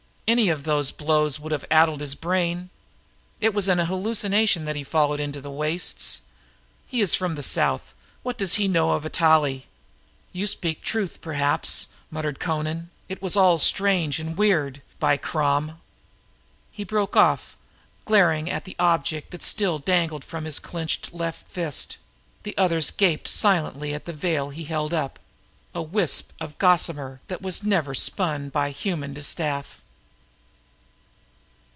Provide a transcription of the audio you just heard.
Any of those blows might have addled his brain. It was an hallucination he followed into the wastes. He is from the south; what does he know of Atali?" "You speak truth, perhaps," muttered Amra. "It was all strange and weird—by Crom!" He broke off, glaring at the object that still dangled from his clenched left fist; the others gaped silently at the veil he held up—a wisp of gossamer that was never spun by human distaff.